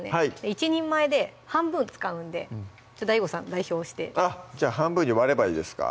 １人前で半分使うんでＤＡＩＧＯさん代表してじゃあ半分に割ればいいですか